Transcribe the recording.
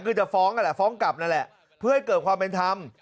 คือจะฟ้องกลับนะแหละเพื่อให้เกิดความเป็นธรรม